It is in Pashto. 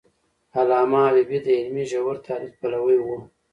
علامه حبيبي د علمي ژور تحلیل پلوی و.